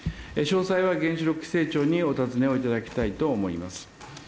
詳細は原子力規制庁にお尋ねをいただきたいと思います。